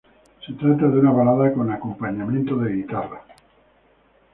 Se trata de una balada con acompañamiento de guitarra.